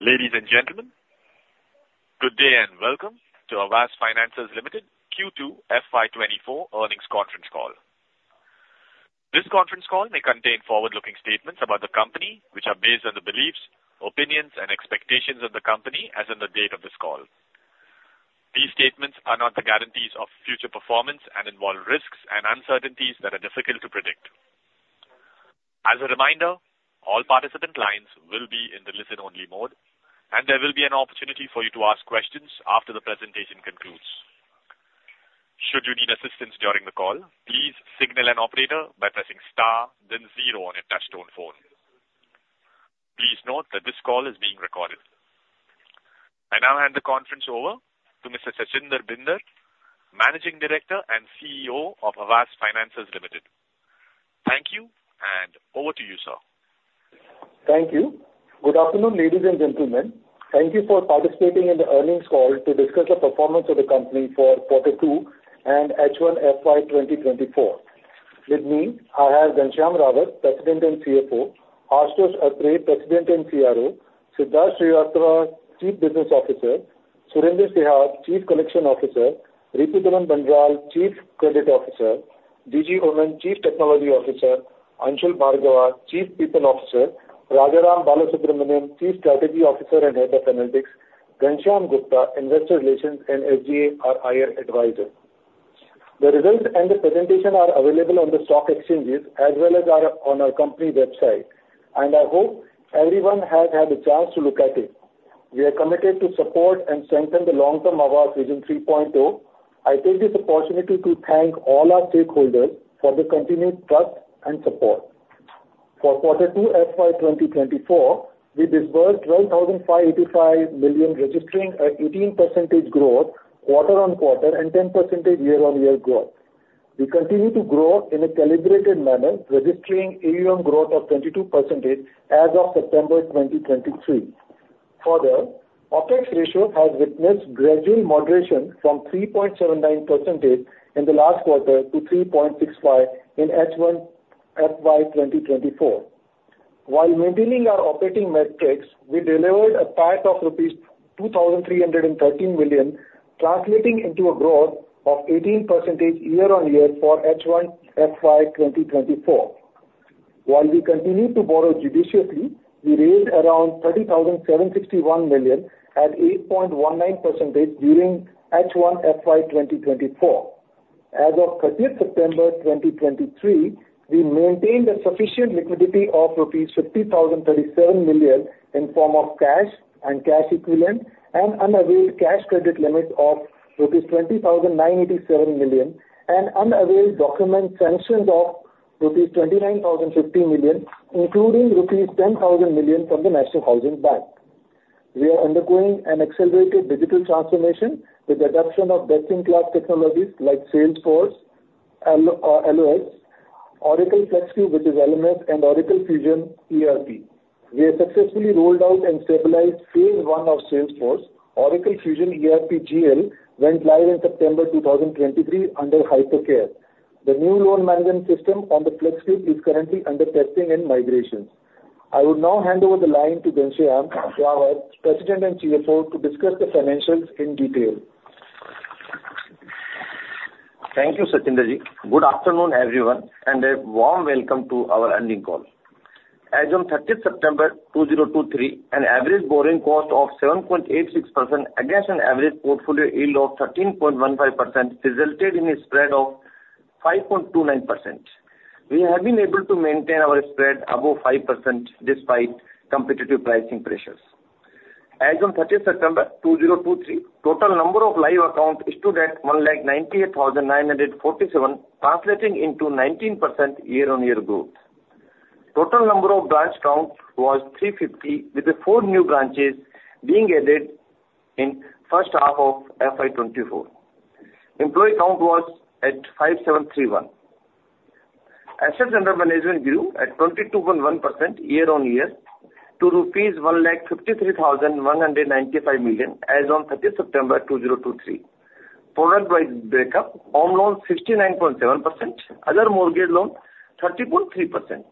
Ladies and gentlemen, good day and welcome to Aavas Financiers Limited Q2 FY 2024 earnings conference call. This conference call may contain forward-looking statements about the company, which are based on the beliefs, opinions, and expectations of the company as on the date of this call. These statements are not the guarantees of future performance and involve risks and uncertainties that are difficult to predict. As a reminder, all participant lines will be in the listen-only mode, and there will be an opportunity for you to ask questions after the presentation concludes. Should you need assistance during the call, please signal an operator by pressing star then zero on your touchtone phone. Please note that this call is being recorded. I now hand the conference over to Mr. Sachinder Bhinder, Managing Director and CEO of Aavas Financiers Limited. Thank you, and over to you, sir. Thank you. Good afternoon, ladies and gentlemen. Thank you for participating in the earnings call to discuss the performance of the company for quarter two and H1 FY 2024. With me, I have Ghanshyam Rawat, President and CFO, Ashutosh Atre, President and CRO, Siddharth Srivastava, Chief Business Officer, Surendra Sihag, Chief Collection Officer, Ripu Daman Bajaj, Chief Credit Officer, Jijy Oommen, Chief Technology Officer, Anshul Bhargava, Chief People Officer, Rajaram Balasubramanian, Chief Strategy Officer and Data Analytics, Ghanshyam Gupta, Investor Relations, and SGA, our IR advisor. The results and the presentation are available on the stock exchanges as well as on our company website, and I hope everyone has had a chance to look at it. We are committed to support and strengthen the long-term Aavas Vision 3.0. I take this opportunity to thank all our stakeholders for the continued trust and support. For Q2 FY 2024, we disbursed 12,585 million, registering 18% growth quarter-on-quarter and 10% year-on-year growth. We continue to grow in a calibrated manner, registering AUM growth of 22% as of September 2023. Further, OpEx ratio has witnessed gradual moderation from 3.79% in the last quarter to 3.65% in H1 FY 2024. While maintaining our operating metrics, we delivered a PAT of rupees 2,313 million, translating into a growth of 18% year-on-year for H1 FY 2024. While we continue to borrow judiciously, we raised around 30,761 million at 8.19% during H1 FY 2024. As of 30th September 2023, we maintained a sufficient liquidity of rupees 50,037 million in form of cash and cash equivalent and unavailable cash credit limits of rupees 20,987 million and unavailable document sanctions of rupees 29,050 million, including rupees 10,000 million from the National Housing Bank. We are undergoing an accelerated digital transformation with adoption of best-in-class technologies like Salesforce, L, LOS, Oracle FLEXCUBE, which is LMS, and Oracle Fusion ERP. We have successfully rolled out and stabilized phase one of Salesforce. Oracle Fusion ERP GL went live in September 2023 under hypercare. The new loan management system on the FLEXCUBE is currently under testing and migration. I will now hand over the line to Ghanshyam Rawat, President and CFO, to discuss the financials in detail. Thank you, Sachinder. Good afternoon, everyone, and a warm welcome to our earnings call. As on 30th September 2023, an average borrowing cost of 7.86% against an average portfolio yield of 13.15% resulted in a spread of 5.29%. We have been able to maintain our spread above 5% despite competitive pricing pressures. As on 30th September 2023, total number of live accounts stood at 198,947, translating into 19% year-on-year growth. Total number of branch count was 350, with the 4 new branches being added in first half of FY 2024. Employee count was at 5,731. Assets under management grew at 22.1% year-over-year to rupees 153,195 million as on 30th September 2023. Product-wise breakup, home loans, 69.7%, other mortgage loans, 30.3%.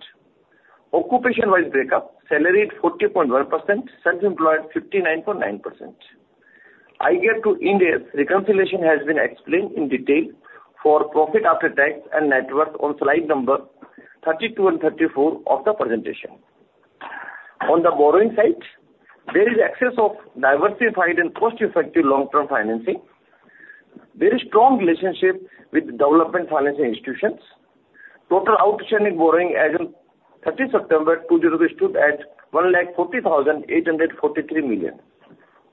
Occupation-wise breakup, salaried, 40.1%, self-employed, 59.9%. IFRS to India reconciliation has been explained in detail for profit after tax and net worth on slide number 32 and 34 of the presentation. On the borrowing side, there is access of diversified and cost-effective long-term financing. There is strong relationship with development financing institutions. Total outstanding borrowing as on 30th September 2023 stood at 140,843 million.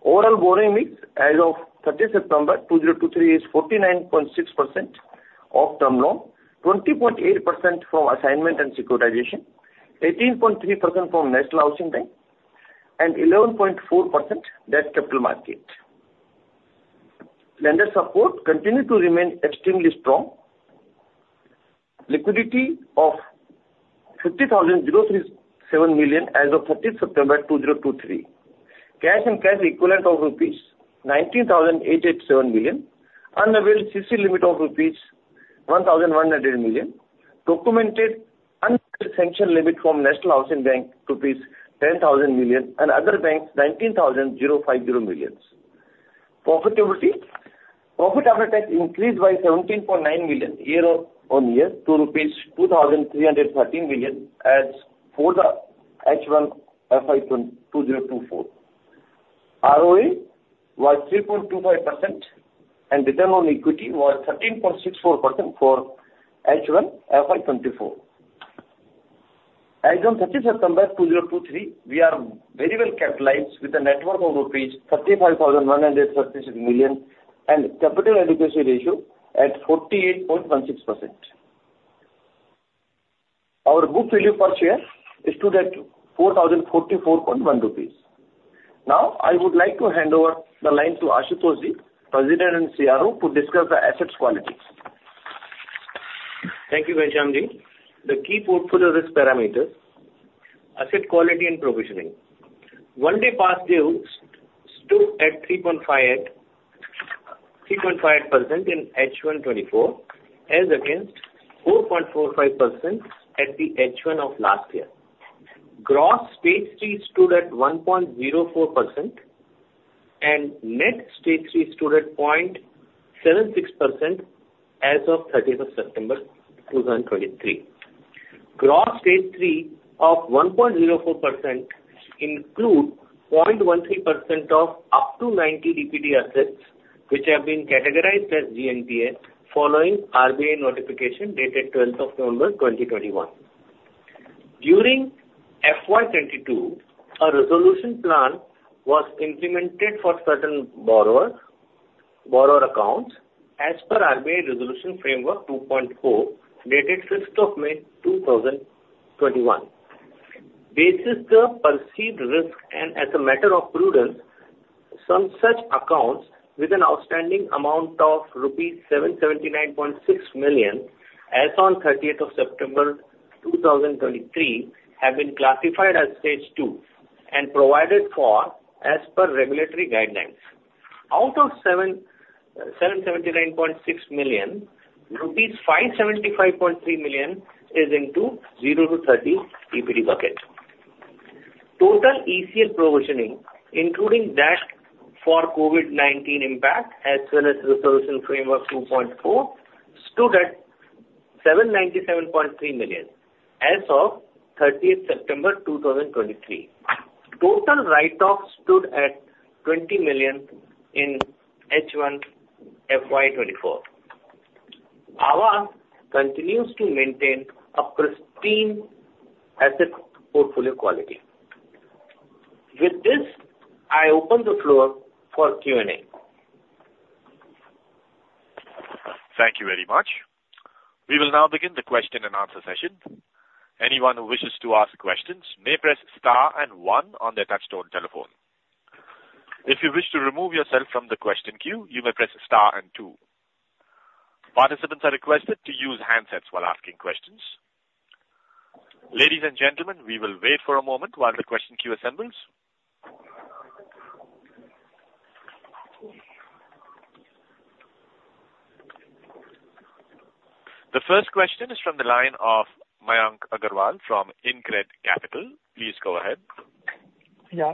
Overall borrowing mix as of 30th September 2023 is 49.6% term loan, 20.8% from assignment and securitization, 18.3% from National Housing Bank, and 11.4% debt capital market. Lender support continued to remain extremely strong. Liquidity of 50,037 million as of 30th September 2023. Cash and cash equivalent of rupees 19,887 million, unavailable CC limit of rupees 1,100 million, documented sanction limit from National Housing Bank, rupees 10,000 million, and other banks, 19,050 million. Profitability, profit after tax increased by 17.9 million year-over-year to rupees 2,313 million as of H1 FY 2024. ROE was 3.25%, and return on equity was 13.64% for H1 FY 2024. As on 30th September 2023, we are very well capitalized with a net worth of rupees 35,136 million, and capital adequacy ratio at 48.16%. Our book value per share stood at 4,044.1 rupees. Now, I would like to hand over the line to Ashutosh, President and CRO, to discuss the asset quality. Thank you, Ghanshyam. The key portfolio risk parameters, asset quality and provisioning. One-day past dues stood at 3.5, 3.5% in H1-24, as against 4.45% at the H1 of last year. Gross Stage III stood at 1.04%, and net Stage III stood at 0.76% as of 30th of September 2023. Gross stage 3 of 1.04% include 0.13% of up to 90 DPD assets, which have been categorized as GNPA, following RBI notification dated 12th of November, 2021. During FY 2022, a resolution plan was implemented for certain borrowers, borrower accounts, as per RBI Resolution Framework 2.0, dated 5th of May, 2021. Basis the perceived risk and as a matter of prudence, some such accounts with an outstanding amount of rupees 779.6 million, as on 30th of September 2023, have been classified as Stage II, and provided for as per regulatory guidelines. Out of 779.6 million, rupees 575.3 million is into 0-30 DPD bucket. Total ECL provisioning, including that for COVID-19 impact, as well as Resolution Framework 2.0, stood at 797.3 million as of thirtieth of September 2023. Total write-offs stood at 20 million in H1 FY 2024. Aavas continues to maintain a pristine asset portfolio quality. With this, I open the floor for Q&A. Thank you very much. We will now begin the question and answer session. Anyone who wishes to ask questions may press star and one on their touchtone telephone. If you wish to remove yourself from the question queue, you may press star and two. Participants are requested to use handsets while asking questions. Ladies and gentlemen, we will wait for a moment while the question queue assembles. The first question is from the line of Mayank Agarwal from InCred Capital. Please go ahead. Yeah,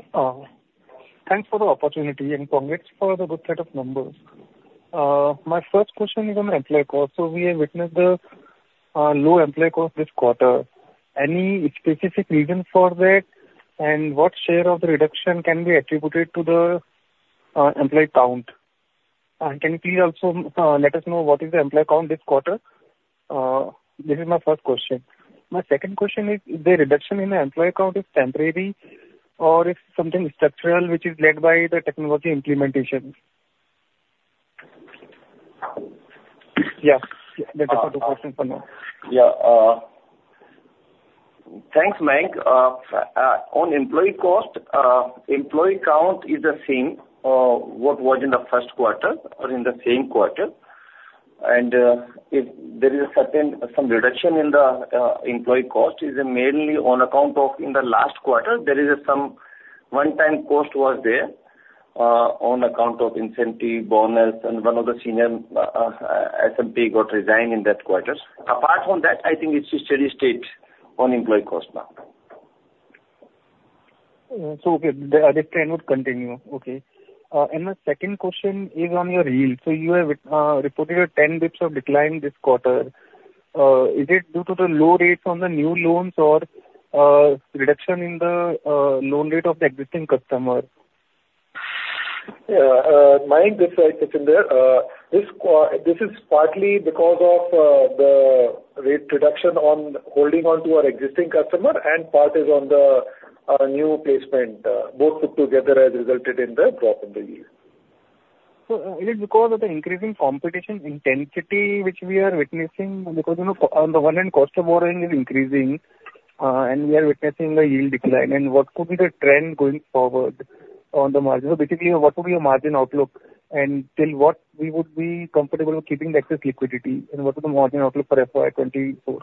thanks for the opportunity and congrats for the good set of numbers. My first question is on employee cost. So we have witnessed the low employee cost this quarter. Any specific reason for that, and what share of the reduction can be attributed to the employee count? And can you please also let us know what is the employee count this quarter? This is my first question. My second question is, if the reduction in the employee count is temporary or it's something structural which is led by the technology implementation? Yeah, that are the two question for now. Yeah, thanks, Mayank. On employee cost, employee count is the same, what was in the first quarter or in the same quarter. And, if there is a certain, some reduction in the, employee cost, is mainly on account of in the last quarter, there is a some one-time cost was there, on account of incentive, bonus, and one of the senior, SMP got resigned in that quarter. Apart from that, I think it's a steady state on employee cost now. So, okay, the trend would continue. Okay. And my second question is on your yield. So you have reported a 10 basis points of decline this quarter. Is it due to the low rates on the new loans or reduction in the loan rate of the existing customer? Yeah, Mayank, this right, it's in there. This is partly because of the rate reduction on holding on to our existing customer, and part is on the new placement. Both put together has resulted in the drop in the yield. Is it because of the increasing competition intensity, which we are witnessing? Because, you know, on the one hand, cost of borrowing is increasing, and we are witnessing the yield decline. What could be the trend going forward on the margin? So basically, what will be your margin outlook, and till what we would be comfortable with keeping the excess liquidity, and what is the margin outlook for FY 2024?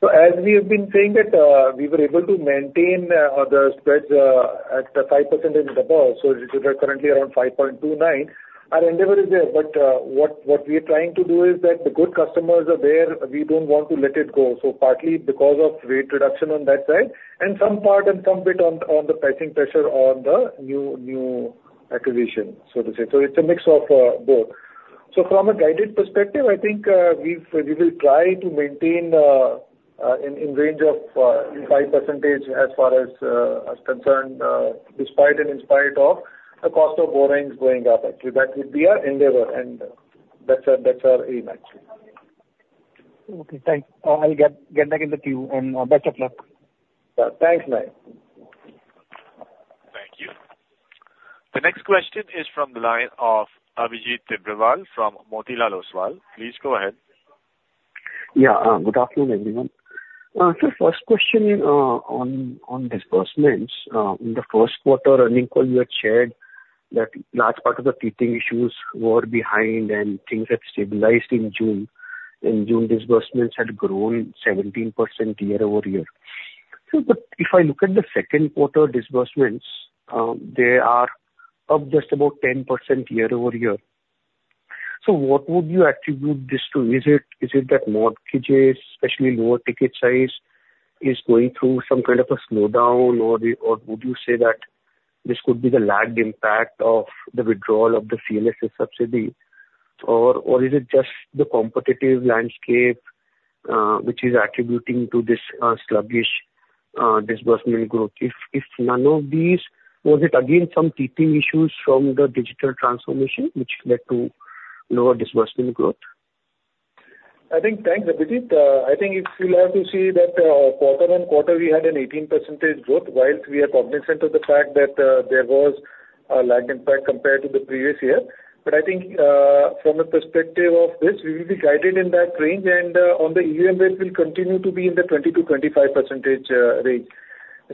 So as we have been saying that, we were able to maintain the spreads at the 5% and above, so it is currently around 5.29%. Our endeavor is there, but, what, what we are trying to do is that the good customers are there, we don't want to let it go. So partly because of rate reduction on that side and some part and some bit on, on the pricing pressure on the new, new acquisition, so to say. So it's a mix of both. So from a guided perspective, I think, we've, we will try to maintain in range of 5% as far as us concerned, despite and in spite of the cost of borrowings going up, actually, that would be our endeavor, and that's our, that's our aim, actually. Okay, thanks. I'll get back in the queue, and best of luck. Thanks, mate. Thank you. The next question is from the line of Abhijit Tibrewal from Motilal Oswal. Please go ahead. Yeah, good afternoon, everyone. So first question, on disbursements. In the first quarter earnings call, you had shared that large part of the teething issues were behind and things had stabilized in June. In June, disbursements had grown 17% year-over-year. So but if I look at the second quarter disbursements, they are up just about 10% year-over-year. So what would you attribute this to? Is it that mortgages, especially lower ticket size, is going through some kind of a slowdown, or would you say that this could be the lagged impact of the withdrawal of the CLSS subsidy? Or is it just the competitive landscape which is attributing to this sluggish disbursement growth? If none of these, was it again some teething issues from the digital transformation which led to lower disbursement growth? I think. Thanks, Abhijit. I think if you'll have to see that, quarter-on-quarter, we had an 18% growth, while we are cognizant of the fact that there was a lag impact compared to the previous year. But I think, from a perspective of this, we will be guided in that range, and, on the year, it will continue to be in the 20%-25% range.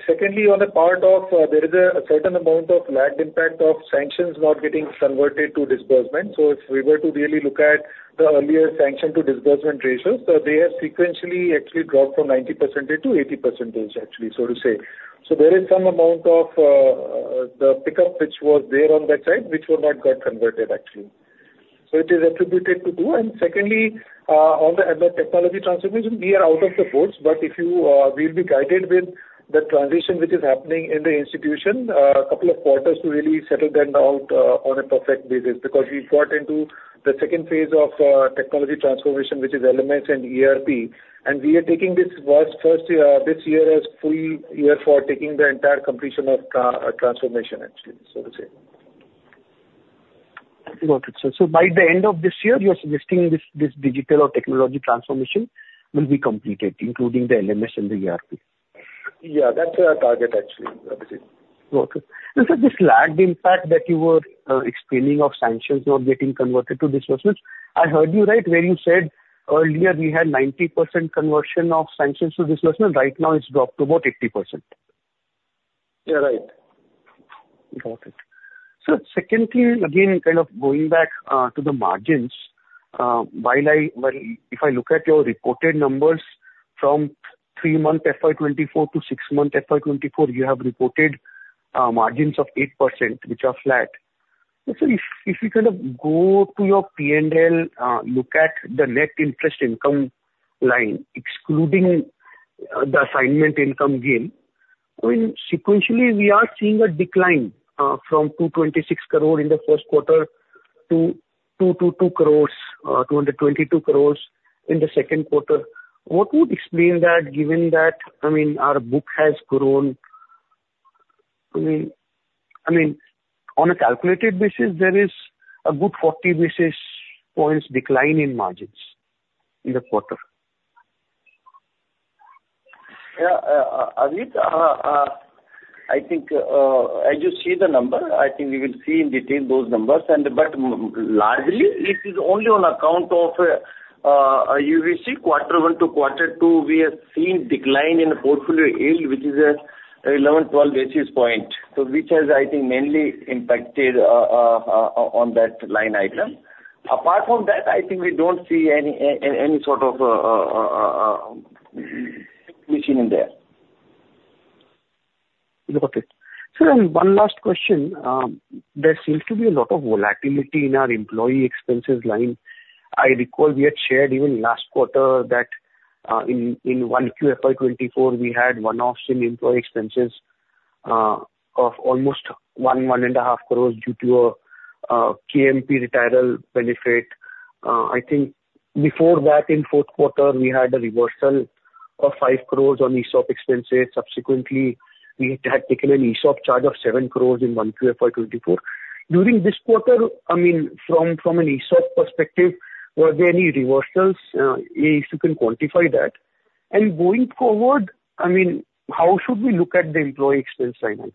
Secondly, on the part of, there is a certain amount of lagged impact of sanctions not getting converted to disbursement. So if we were to really look at the earlier sanction to disbursement ratios, so they have sequentially actually dropped from 90% to 80%, actually, so to say. So there is some amount of the pickup, which was there on that side, which were not got converted, actually. It is attributed to two. Secondly, on the other technology transformation, we are out of the woods. But we'll be guided with the transition which is happening in the institution, a couple of quarters to really settle that out, on a perfect basis. Because we got into the second phase of technology transformation, which is LMS and ERP, and we are taking this year as the first full year for taking the entire completion of transformation actually, so to say. Got it. So, by the end of this year, you're suggesting this digital or technology transformation will be completed, including the LMS and the ERP? Yeah, that's our target, actually, Abhijit. Okay. So this lagged impact that you were explaining of sanctions not getting converted to disbursements, I heard you right when you said earlier we had 90% conversion of sanctions to disbursements, right now it's dropped to about 80%? You're right. Got it. So secondly, again, kind of going back to the margins, while I... Well, if I look at your reported numbers from three-month FY 2024 to six-month FY 2024, you have reported margins of 8%, which are flat. So if you kind of go to your P&L, look at the net interest income line, excluding the assignment income gain, I mean, sequentially, we are seeing a decline from 226 crore in the first quarter to 222 crores in the second quarter. What would explain that, given that, I mean, our book has grown, I mean, on a calculated basis, there is a good 40 basis points decline in margins in the quarter. Yeah, Abhijit, I think, as you see the number, I think we will see in detail those numbers. But largely, this is only on account of, you will see quarter one to quarter two, we are seeing decline in the portfolio yield, which is 11-12 basis points. So which has, I think, mainly impacted on that line item. Apart from that, I think we don't see any any sort of issue in there. Got it. Sir, one last question. There seems to be a lot of volatility in our employee expenses line. I recall we had shared even last quarter that in Q1 FY 2024, we had a one-off in employee expenses of almost 1-1.5 crore due to a KMP retiral benefit. I think before that, in fourth quarter, we had a reversal of 5 crore on ESOP expenses. Subsequently, we had taken an ESOP charge of 7 crore in Q1FY2024. During this quarter, I mean, from an ESOP perspective, were there any reversals, if you can quantify that? Going forward, I mean, how should we look at the employee expense line item?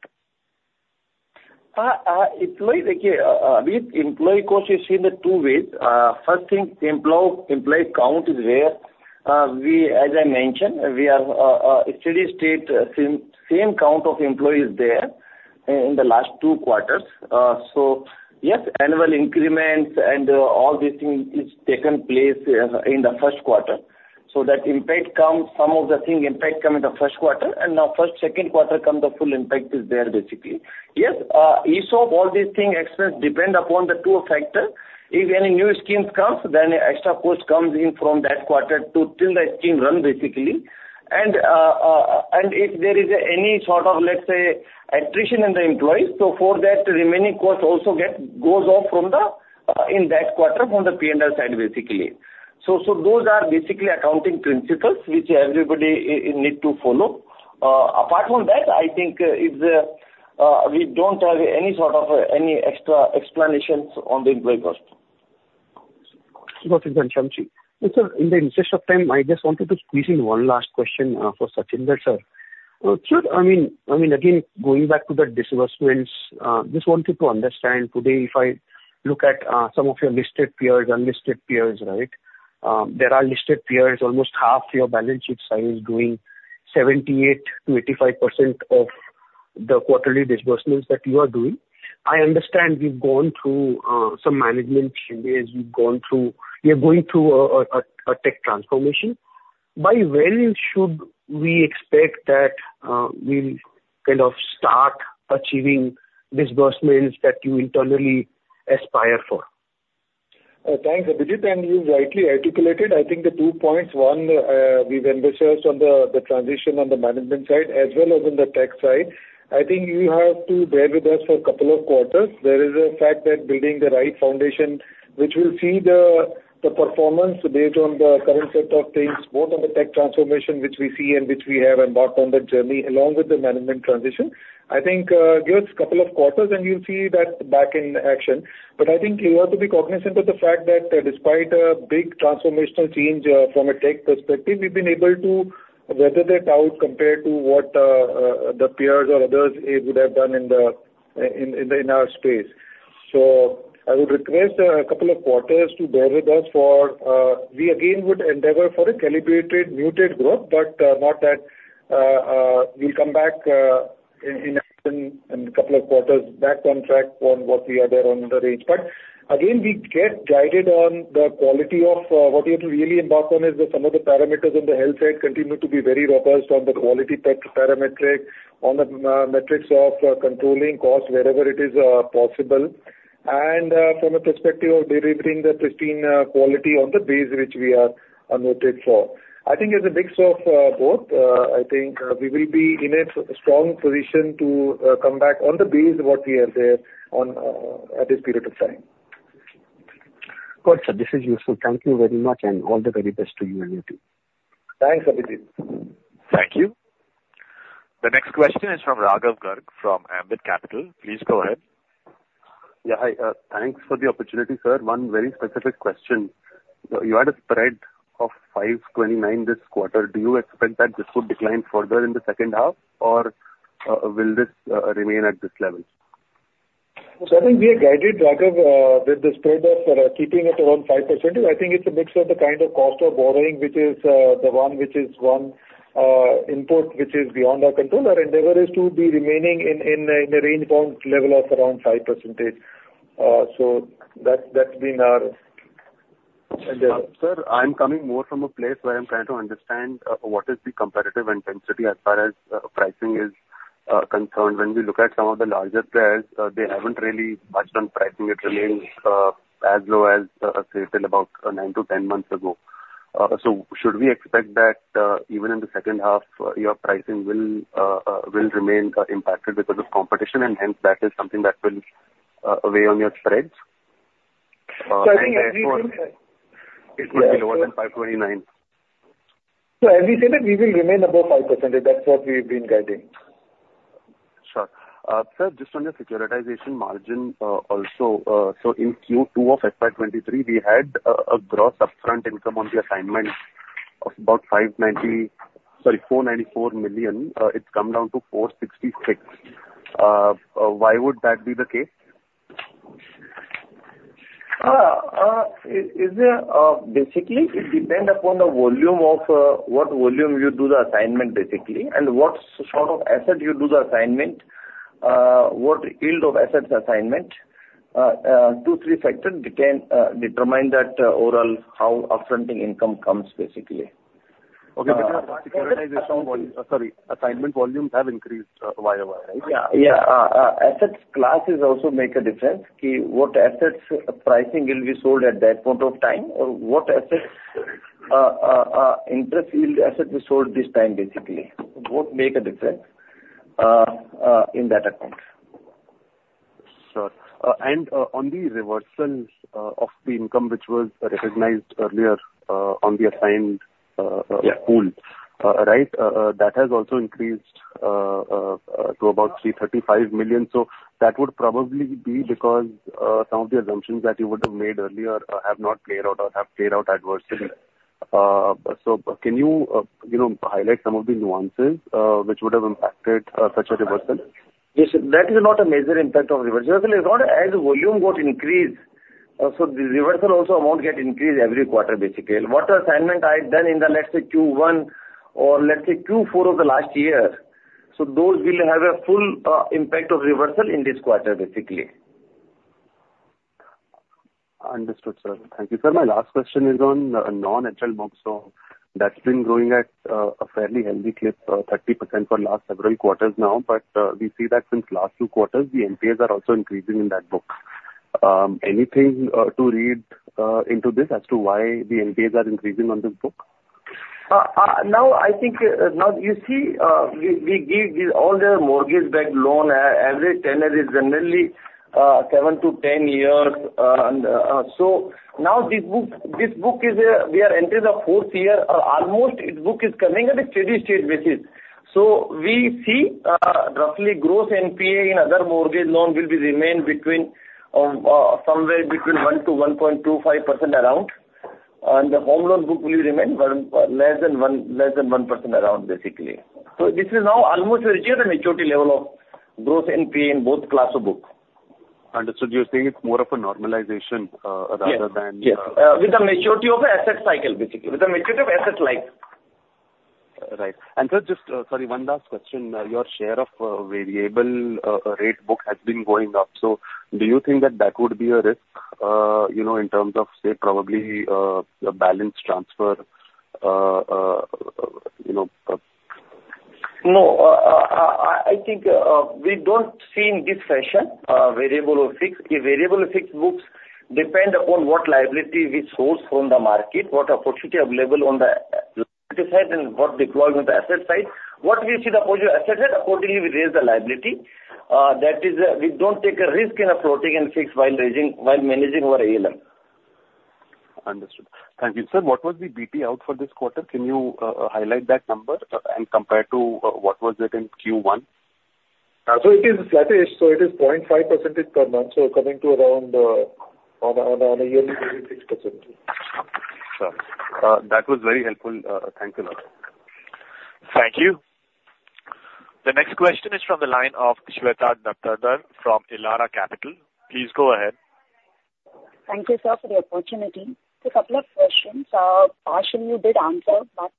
Employee, okay, with employee cost is in the two ways. First thing, employee, employee count is where, we as I mentioned, we are, steady state, same, same count of employees there in the last two quarters. So, yes, annual increments and, all these things is taken place, in the first quarter. So that impact comes, some of the thing impact come in the first quarter, and now first, second quarter come, the full impact is there, basically. Yes, ESOP, all these thing expense depend upon the two factor. If any new schemes comes, then extra cost comes in from that quarter to till the scheme runs, basically. And, if there is any sort of, let's say, attrition in the employees, so for that, the remaining cost also goes off from the, in that quarter from the P&L side, basically. So, those are basically accounting principles which everybody, need to follow. Apart from that, I think it's we don't have any sort of any extra explanations on the employee cost. Sir, in the interest of time, I just wanted to squeeze in one last question, for Sachinder Bhinder. Sir, I mean, again, going back to the disbursements, just wanted to understand, today, if I look at some of your listed peers, unlisted peers, right? There are listed peers, almost half your balance sheet size, doing 78%-85% of the quarterly disbursements that you are doing. I understand you've gone through some management changes. You've gone through... You're going through a tech transformation. By when should we expect that we'll kind of start achieving disbursements that you internally aspire for? Thanks, Abhijit, and you rightly articulated, I think the two points. One, we've endeavored on the, the transition on the management side as well as on the tech side. I think you have to bear with us for a couple of quarters. There is a fact that building the right foundation, which will see the, the performance based on the current set of things, both on the tech transformation, which we see and which we have embarked on that journey, along with the management transition. I think, give us a couple of quarters and you'll see that back in action. But I think you have to be cognizant of the fact that despite a big transformational change from a tech perspective, we've been able to weather that out compared to what the peers or others would have done in our space. So I would request a couple of quarters to bear with us for we again would endeavor for a calibrated, muted growth, but not that we'll come back in a couple of quarters back on track on what we are there on the range. But again, we get guided on the quality of what we have to really embark on is that some of the parameters on the health side continue to be very robust on the quality parametric, on the metrics of controlling costs wherever it is possible. From a perspective of delivering the pristine quality on the base, which we are noted for. I think it's a mix of both. I think we will be in a strong position to come back on the base of what we are there on at this period of time. Got it, sir. This is useful. Thank you very much, and all the very best to you and your team. Thanks, Abhijit. Thank you. The next question is from Raghav Garg, from Ambit Capital. Please go ahead. Yeah, hi. Thanks for the opportunity, sir. One very specific question. You had a spread of 529 this quarter. Do you expect that this would decline further in the second half, or will this remain at this level? So I think we are guided, Raghav, with the spread of keeping it around 5%. I think it's a mix of the kind of cost of borrowing, which is the one which is one input, which is beyond our control. Our endeavor is to be remaining in a range bound level of around 5%. So that, that's been our endeavor. Sir, I'm coming more from a place where I'm trying to understand what is the competitive intensity as far as pricing is concerned. When we look at some of the larger players, they haven't really budged on pricing. It remains as low as, say, till about 9-10 months ago. So should we expect that even in the second half, your pricing will remain impacted because of competition, and hence that is something that will weigh on your spreads? I think as we said. It will be lower than 529. As we said, that we will remain above 5%. That's what we've been guiding. Sure. Sir, just on the securitization margin, also, so in Q2 of FY 2023, we had a gross upfront income on the assignments of about 5.90... Sorry, 4.94 million. It's come down to 4.66 million. Why would that be the case? Basically, it depend upon the volume of what volume you do the assignment, basically, and what sort of asset you do the assignment, what yield of assets assignment. Two, 3 factors determine that overall, how upfronting income comes, basically. Okay. Sorry, assignment volumes have increased, Y over Y, right? Yeah, yeah. Asset classes also make a difference, ki what assets pricing will be sold at that point of time, or what assets, interest yield asset is sold this time, basically. Both make a difference, in that account. Sure. And, on the reversals of the income, which was recognized earlier, on the assigned, Yeah. Pool, right? That has also increased to about 335 million. So that would probably be because some of the assumptions that you would have made earlier have not played out or have played out adversely. So can you, you know, highlight some of the nuances which would have impacted such a reversal? Yes, that is not a major impact of the reversal. It's not, as volume got increased... Also, the reversal also amount get increased every quarter, basically. What assignment I've done in the, let's say, Q1 or let's say Q4 of the last year, so those will have a full impact of reversal in this quarter, basically. Understood, sir. Thank you. Sir, my last question is on non-HL books. So that's been growing at a fairly healthy clip, 30% for last several quarters now. But we see that since last two quarters, the NPAs are also increasing in that book. Anything to read into this as to why the NPAs are increasing on this book? Now, I think, now you see, we give these all the mortgage-backed loan. Average tenure is generally 7-10 years. And so now this book, this book is, we are entered the fourth year, almost it book is coming at a steady state basis. So we see, roughly gross NPA in other mortgage loan will be remain between, somewhere between 1-1.25% around, and the home loan book will remain one, less than 1%, less than 1% around, basically. So this is now almost reached at a maturity level of gross NPA in both class of book. Understood. You're saying it's more of a normalization. Yes. Rather than... Yes, with the maturity of the asset cycle, basically, with the maturity of asset life. Right. And, sir, just, sorry, one last question. Your share of variable rate book has been going up. So do you think that that would be a risk, you know, in terms of, say, probably, the balance transfer, you know? No. I think we don't see in this fashion, variable or fixed. A variable or fixed books depend upon what liability we source from the market, what opportunity available on the liability side, and what deploy on the asset side. What we see the opportunity asset side, accordingly, we raise the liability. That is, we don't take a risk in a floating and fixed while raising—while managing our ALM. Understood. Thank you. Sir, what was the BT out for this quarter? Can you highlight that number, and compare to what was it in Q1? So it is flattish, so it is 0.5% per month, so coming to around, on a yearly, maybe 6%. Okay. Sure. That was very helpful. Thank you a lot. Thank you. The next question is from the line of Shweta Daptardar from Elara Capital. Please go ahead. Thank you, sir, for the opportunity. So a couple of questions. Part you did answer, but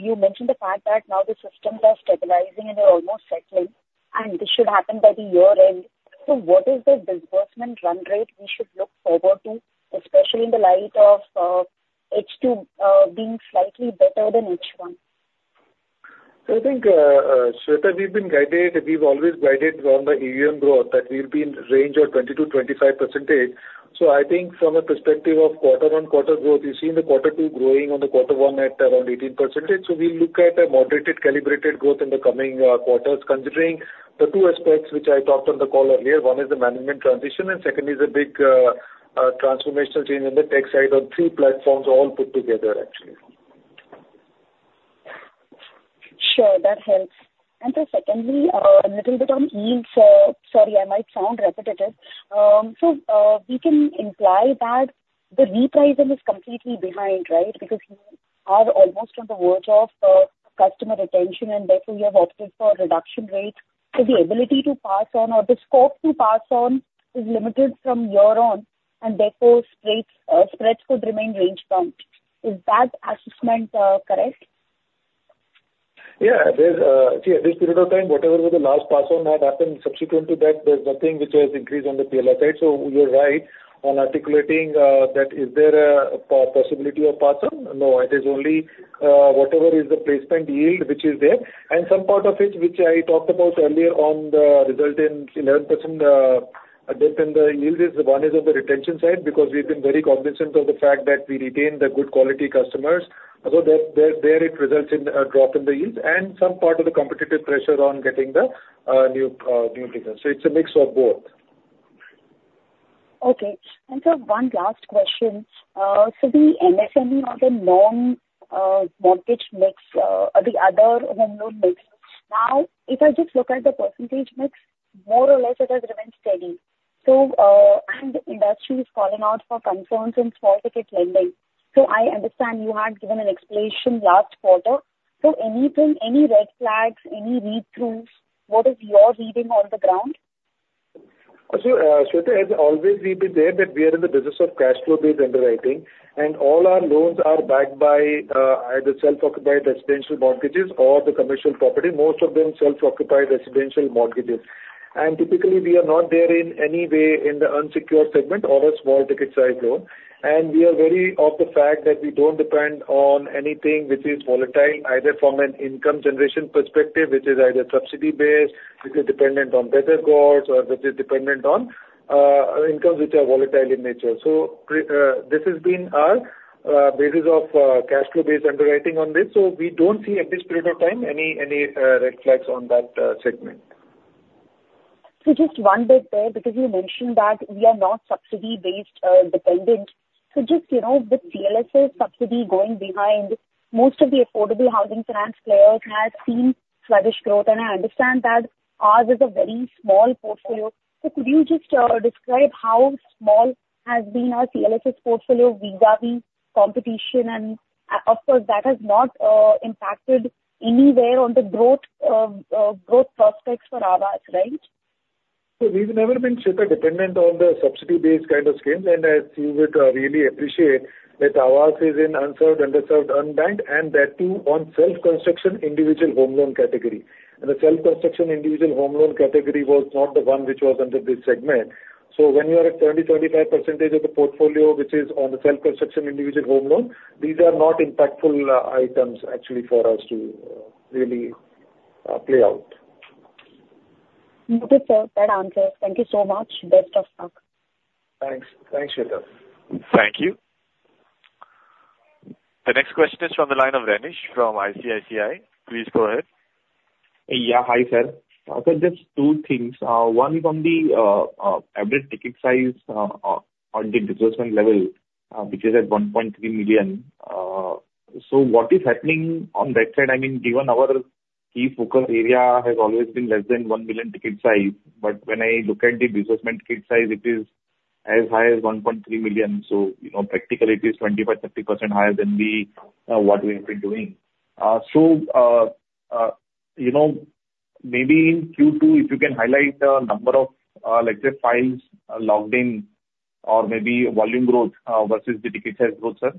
you mentioned the fact that now the systems are stabilizing and they're almost settling, and this should happen by the year end. So what is the disbursement run rate we should look forward to, especially in the light of H2 being slightly better than H1? So I think, Shweta, we've been guided, we've always guided on the AUM growth, that we'll be in the range of 20-25%. So I think from a perspective of quarter-on-quarter growth, you've seen the quarter two growing on the quarter one at around 18%. So we look at a moderated, calibrated growth in the coming quarters, considering the two aspects which I talked on the call earlier. One is the management transition, and second is a big, transformational change in the tech side on three platforms all put together, actually. Sure. That helps. And then secondly, a little bit on yields. Sorry, I might sound repetitive. So, we can imply that the repricing is completely behind, right? Because you are almost on the verge of customer retention, and therefore, you have opted for reduction rates. So the ability to pass on or the scope to pass on is limited from here on, and therefore, rates, spreads could remain range-bound. Is that assessment correct? Yeah. There's, see, at this period of time, whatever was the last pass on that happened, subsequent to that, there's nothing which has increased on the PLR side. So you're right on articulating, that is there a possibility of pass on? No, it is only, whatever is the placement yield which is there, and some part of it, which I talked about earlier on the result in 11%, dip in the yields is, one is on the retention side, because we've been very cognizant of the fact that we retain the good quality customers. So there it results in a drop in the yield, and some part of the competitive pressure on getting the new business. So it's a mix of both. Okay. And sir, one last question. So the NMM or the non-mortgage mix, the other home loan mix, now, if I just look at the percentage mix, more or less, it has remained steady. So, and the industry is calling out for concerns in small ticket lending. So I understand you had given an explanation last quarter. So anything, any red flags, any read-throughs? What is your reading on the ground? Shweta, as always, we've been there, that we are in the business of cashflow-based underwriting, and all our loans are backed by either self-occupied residential mortgages or the commercial property, most of them self-occupied residential mortgages. Typically, we are not there in any way in the unsecured segment or a small ticket size loan. We are very off the fact that we don't depend on anything which is volatile, either from an income generation perspective, which is either subsidy-based, which is dependent on better costs or which is dependent on incomes which are volatile in nature. This has been our basis of cashflow-based underwriting on this, so we don't see at this point of time any red flags on that segment. So just one bit there, because you mentioned that we are not subsidy-based, dependent. So just, you know, with CLSS subsidy going behind, most of the affordable housing finance players have seen sluggish growth, and I understand that ours is a very small portfolio. So could you just describe how small has been our CLSS portfolio vis-a-vis competition and-... Of course, that has not impacted anywhere on the growth, growth prospects for Aavas, right? So we've never been super dependent on the subsidy-based kind of schemes, and as you would really appreciate that Aavas is in unserved, underserved, unbanked, and that too, on self-construction individual home loan category. The self-construction individual home loan category was not the one which was under this segment. When you are at 20%-25% of the portfolio, which is on the self-construction individual home loan, these are not impactful items actually for us to really play out. Okay, sir. Fair answer. Thank you so much. Best of luck. Thanks. Thanks, Shweta. Thank you. The next question is from the line of Renish, from ICICI. Please go ahead. Yeah. Hi, sir. So just two things. One is on the average ticket size on the disbursement level, which is at 1.3 million. So what is happening on that side? I mean, given our key focus area has always been less than 1 million ticket size, but when I look at the disbursement ticket size, it is as high as 1.3 million. So, you know, practically it is 25%-30% higher than the what we have been doing. So, you know, maybe in Q2, if you can highlight the number of, let's say, files logged in, or maybe volume growth versus the ticket size growth, sir.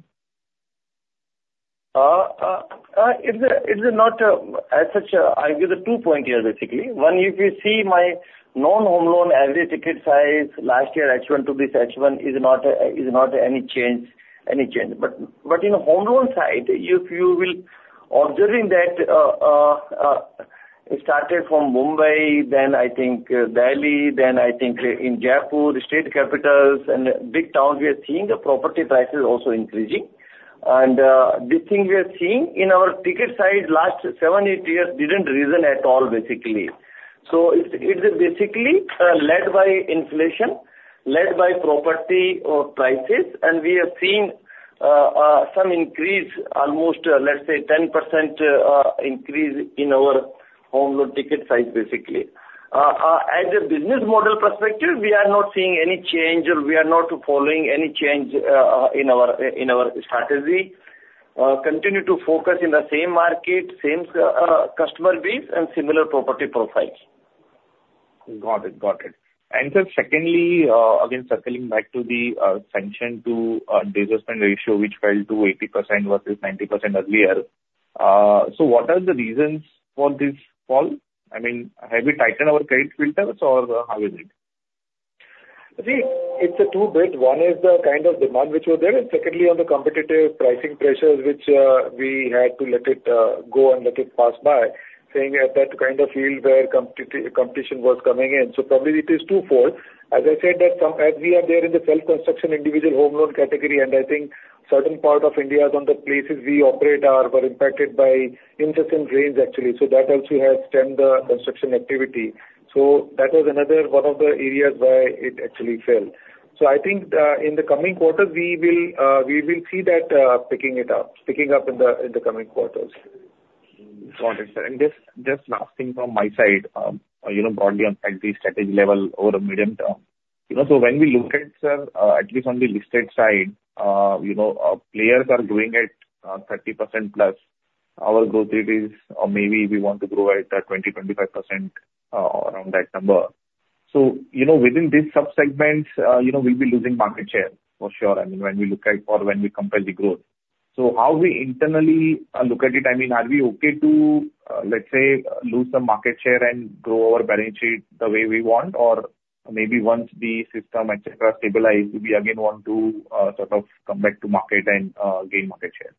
It's not as such. I give the two points here, basically. One, if you see my non-home loan average ticket size last year, H1 to this H1, is not any change, any change. But in a home loan side, if you will observing that, it started from Mumbai, then I think, Delhi, then I think in Jaipur, the state capitals and big towns, we are seeing the property prices also increasing. And this thing we are seeing in our ticket size last seven, eight years didn't risen at all, basically. So it's, it is basically led by inflation, led by property or prices, and we have seen some increase, almost, let's say 10% increase in our home loan ticket size, basically. As a business model perspective, we are not seeing any change or we are not following any change, in our strategy. Continue to focus in the same market, same customer base and similar property profiles. Got it. Got it. And just secondly, again, circling back to the sanction to disbursement ratio, which fell to 80% versus 90% earlier. So what are the reasons for this fall? I mean, have we tightened our credit filters or how is it? See, it's a two bit. One is the kind of demand which was there, and secondly, on the competitive pricing pressures, which, we had to let it go and let it pass by, saying at that kind of yield where competition was coming in. So probably it is twofold. As I said, that some as we are there in the self-construction individual home loan category, and I think certain part of India is on the places we operate are were impacted by incessant rains, actually. So that also has stemmed the construction activity. So that was another one of the areas where it actually fell. So I think, in the coming quarters, we will we will see that picking it up, picking it up in the, in the coming quarters. Got it, sir. Just last thing from my side, you know, broadly on strategy level over the medium term. You know, when we look at, sir, at least on the listed side, you know, players are doing it, 30% plus. Our growth rate is, or maybe we want to grow at, 20%-25%, around that number. You know, within these subsegments, you know, we'll be losing market share for sure. I mean, when we look at or when we compare the growth. How we internally, you know, look at it, I mean, are we okay to, let's say, lose some market share and grow our balance sheet the way we want? Or maybe once the system, et cetera, stabilize, we again want to, sort of come back to market and gain market share.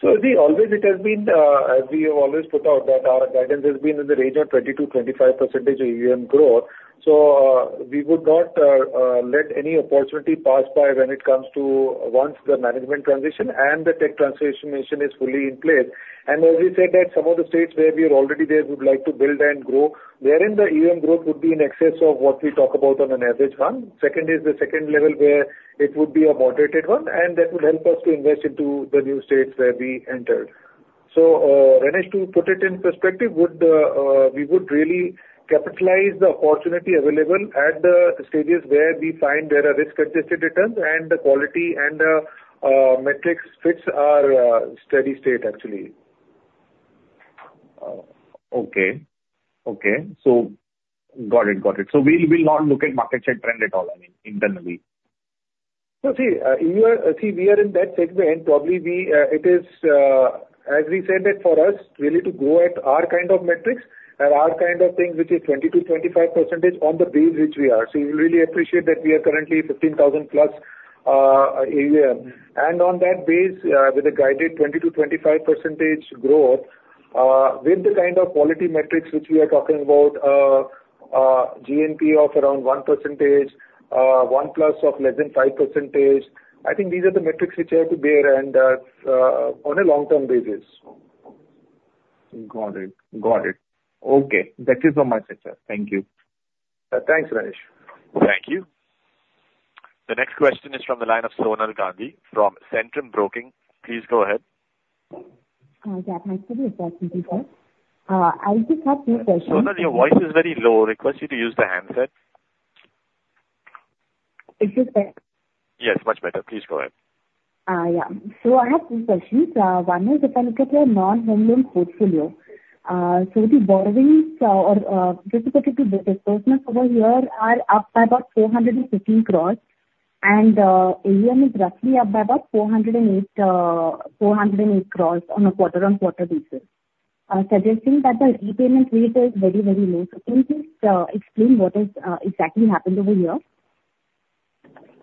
So we always, it has been, as we have always put out, that our guidance has been in the range of 20%-25% AUM growth. So, we would not let any opportunity pass by when it comes to once the management transition and the tech transformation is fully in place. And as we said, that some of the states where we are already there, we would like to build and grow, wherein the AUM growth would be in excess of what we talk about on an average one. Second is the second level, where it would be a moderated one, and that would help us to invest into the new states where we entered. So, Renish, to put it in perspective, we would really capitalize the opportunity available at the stages where we find there are risk-adjusted returns and the quality and the metrics fits our steady state, actually. Okay. Okay, so got it, got it. So we'll, we'll not look at market share trend at all, I mean, internally? See, we are in that segment, and probably we, it is, as we said that for us really to grow at our kind of metrics and our kind of thing, which is 20%-25% on the base which we are. You really appreciate that we are currently 15,000+ AUM. On that base, with a guided 20%-25% growth, with the kind of quality metrics which we are talking about, GNPA of around 1%, one plus of less than 5%, I think these are the metrics which have to bear on a long-term basis. Got it. Got it. Okay, thank you so much, sir. Thank you. Thanks, Renish. Thank you. The next question is from the line of Sonal Gandhi from Centrum Broking. Please go ahead. Yeah. Thanks for the opportunity, sir. I just have two questions... Sonal, your voice is very low. Request you to use the handset. Is this better? Yes, much better. Please go ahead. Yeah. I have two questions. One is if I look at your non-home loan portfolio, the borrowings, or if I look at the disbursements over here, are up by about 415 crore, and AUM is roughly up by about 408 crore on a quarter-over-quarter basis, suggesting that the repayment rate is very, very low. Can you please explain what has exactly happened over here?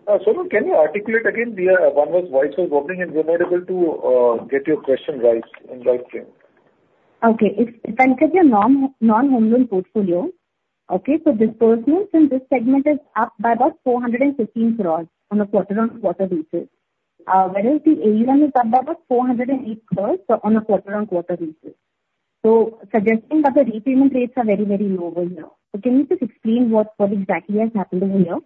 Sonal, can you articulate again? The one whose voice was wobbling, and we're not able to get your question right in the live stream. Okay. If I look at your non-home loan portfolio, okay, so disbursements in this segment is up by about 415 crore on a quarter-on-quarter basis, whereas the AUM is up by about 408 crore on a quarter-on-quarter basis. Suggesting that the repayment rates are very, very low over here. So can you just explain what exactly has happened over here?